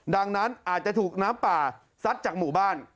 ดังนั้นอาจจะถูกน้ำป่าซัดจากหมู่บ้าน